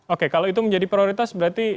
oke kalau itu menjadi prioritas berarti